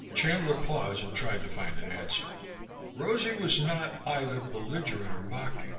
Chandler paused and tried to find an answer. Rosie was not either belligerent or mocking.